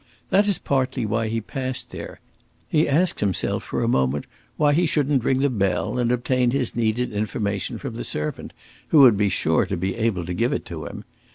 That is partly why he paused there; he asked himself for a moment why he shouldn't ring the bell and obtain his needed information from the servant, who would be sure to be able to give it to him.